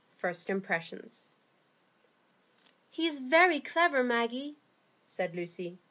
First Impressions "He is very clever, Maggie," said Lucy.